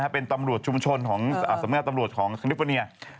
เป็นตำรวจชุมชนสำนักงานตำรวจของสนิทฟณียา